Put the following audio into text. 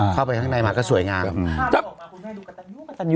เข้าไปข้างในมาก็สวยงาม